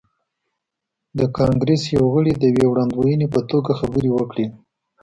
د کانګریس یو غړي د یوې وړاندوینې په توګه خبرې وکړې.